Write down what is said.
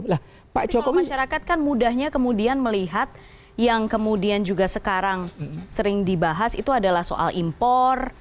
pak joko masyarakat kan mudahnya kemudian melihat yang kemudian juga sekarang sering dibahas itu adalah soal impor